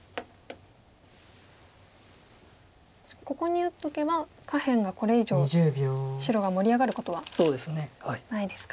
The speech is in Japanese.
ここに打っとけば下辺がこれ以上白が盛り上がることはないですか。